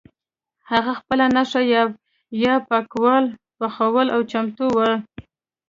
هغه خپله نښه یا پکول پخول او چمتو وو.